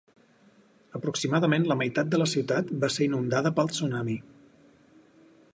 Aproximadament la meitat de la ciutat va ser inundada pel tsunami.